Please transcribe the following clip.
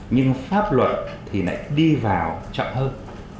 nhưng pháp luật thì lại đi vào chậm hơn